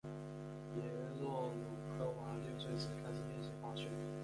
别洛鲁科娃六岁时开始练习滑雪。